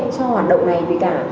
cho hoạt động này vì cả